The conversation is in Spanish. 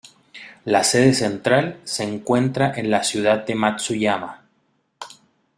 La sede central se encuentra en la Ciudad de Matsuyama.